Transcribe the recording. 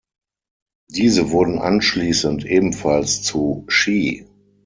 Diese wurden anschließend ebenfalls zu "shi".